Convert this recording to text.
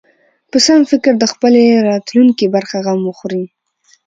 په سم فکر د خپلې راتلونکې برخه غم وخوري.